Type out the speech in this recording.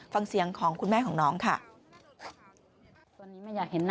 ฟังเสียงของคุณแม่ของน้องค่ะ